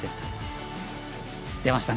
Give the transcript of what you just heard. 出ましたね